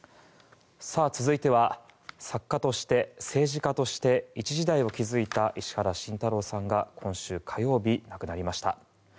続いては、作家として政治家として一時代を築いた石原慎太郎さんが今週火曜日、亡くなりました。